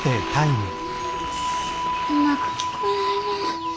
うまく聞こえないな。